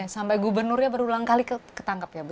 sampai gubernurnya berulang kali ketangkep ya bu